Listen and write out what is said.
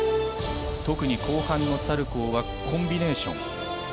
特に後半のサルコーはコンビネーション。